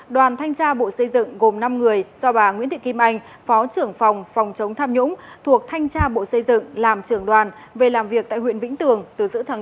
đoàn thanh tra bộ xây dựng gồm năm người do bà nguyễn thị kim anh phó trưởng phòng phòng chống tham nhũng thuộc thanh tra bộ xây dựng làm trưởng đoàn về làm việc tại huyện vĩnh tường từ giữa tháng bốn